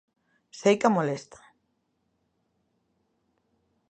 Seica molestan.